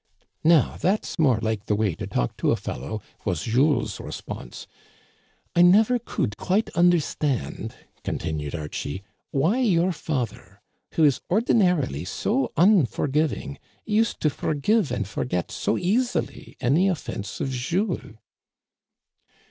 * Now, that's more like the way to talk to a fellow,' was Jules's response. I never could quite understand," con tinued Archie, " why your father, who is ordinarily so unforgiving, used to forgive and forget so easily any offense of Jules."